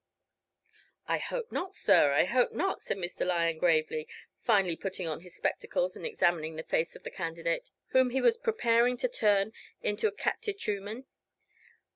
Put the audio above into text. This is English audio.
"I hope not, sir I hope not," said Mr. Lyon, gravely; finally putting on his spectacles and examining the face of the candidate, whom he was preparing to turn into a catechumen.